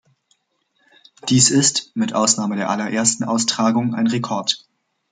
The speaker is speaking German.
Dies ist mit Ausnahme der allerersten Austragung ein Rekord.